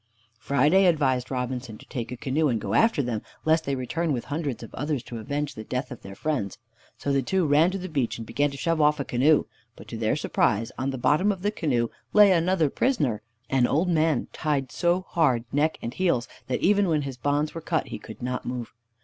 Friday advised Robinson to take a canoe and go after them lest they return with hundreds of others to avenge the death of their friends. So the two ran to the beach and began to shove off a canoe. But to their surprise, on the bottom of the canoe lay another prisoner, an old man, tied so hard, neck and heels, that even when his bonds were cut he could not move.